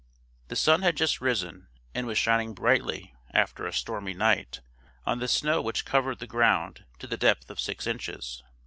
The sun had just risen, and was shining brightly (after a stormy night) on the snow which covered the ground to the depth of six inches.